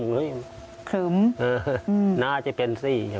ขึมอืมอืมหน้าจะเป็นสี่